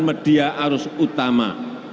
media arus utama